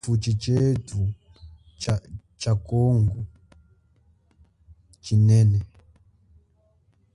Tshifuchi chethu cha kongo chinene.